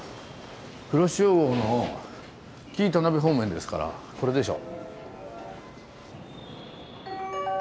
くろしお号の紀伊田辺方面ですからこれでしょ。